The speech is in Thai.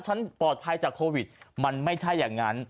ฉันปลอดภัยจากโควิดมันไม่ใช่อย่างนั้น